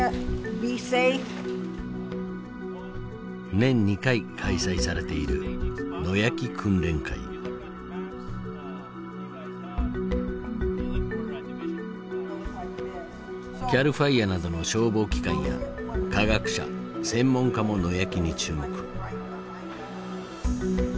年２回開催されているＣＡＬＦＩＲＥなどの消防機関や科学者専門家も野焼きに注目。